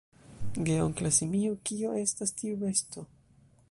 Geonkla simio: "Kio estas tiu besto?"